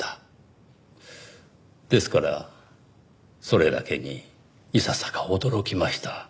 ですからそれだけにいささか驚きました。